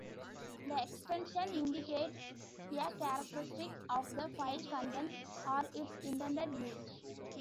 The extension indicates a characteristic of the file contents or its intended use.